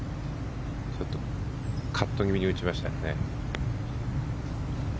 カット気味に打ちましたよね。